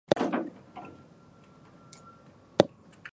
愛と理解が、社会を結ぶ力ですね。